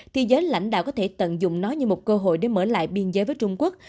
thì giới lãnh đạo có thể tận dụng nó như một cơ hội để mở lại biên giới với trung quốc